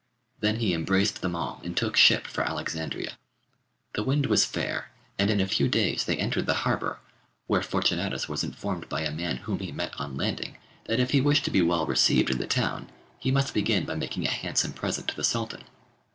Then he embraced them all and took ship for Alexandria. The wind was fair and in a few days they entered the harbour, where Fortunatus was informed by a man whom he met on landing, that if he wished to be well received in the town, he must begin by making a handsome present to the Sultan.